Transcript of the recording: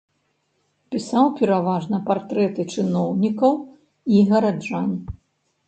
Пісаў пераважна партрэты чыноўнікаў і гараджан.